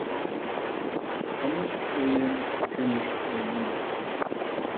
قومۇش ئۆيۈم، كۈمۈش ئۆيۈم.